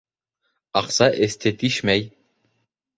Аҡса эсте тишмәй.